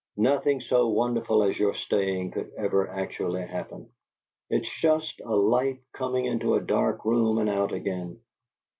"Nothing so wonderful as your staying could ever actually happen. It's just a light coming into a dark room and out again.